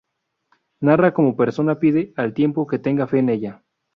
Narra cómo persona pide al tiempo que tenga fe en ella.